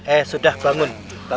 eh sudah bangun